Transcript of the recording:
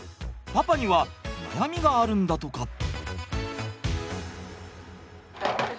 パパには悩みがあるんだとか。